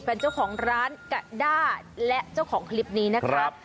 เป็นเจ้าของร้านกะด้าและเจ้าของคลิปนี้นะครับ